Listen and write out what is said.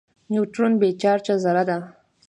نیوټرون بې چارجه ذره ده.